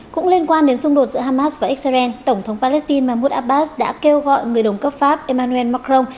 cũng liên quan đến xung đột giữa hamas và israel tổng thống palestine mahmoud abbas đã kêu gọi người đồng cấp pháp emmanuel macron